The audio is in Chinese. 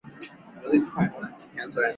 华人称其为色梗港府。